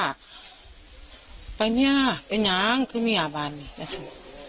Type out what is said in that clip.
คนหลันอยู่บ้านนี่ล่ะออกไป